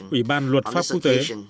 ủy ban luật pháp phú tế